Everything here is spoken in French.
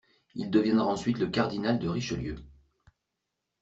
Il deviendra ensuite le cardinal de Richelieu.